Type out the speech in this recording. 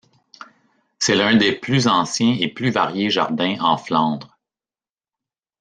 C'est l'un des plus anciens et plus variés jardins en Flandre.